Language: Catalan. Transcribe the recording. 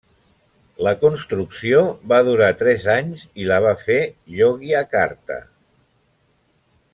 La construcció va durar tres anys i la va fer Yogyakarta.